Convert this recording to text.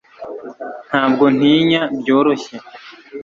ntabwo ntinya byoroshye